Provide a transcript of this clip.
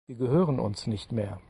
Sie gehören uns nicht mehr.